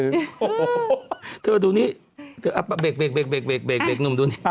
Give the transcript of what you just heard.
โอ๊เท่าไหร่ดูนี่เดี๋ยวอัพเบกหนุ่มดูนี่